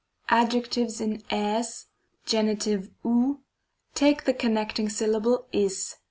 Adjectives in rig, Gen. ov, take the connecting syllable eg.